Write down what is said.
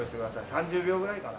３０秒ぐらいかな。